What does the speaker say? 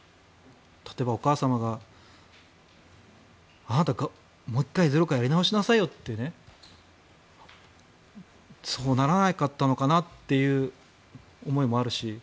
例えばお母様があなた、もう１回ゼロからやり直しなさいよってそうならなかったのかなっていう思いもあるし。